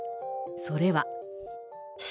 それは。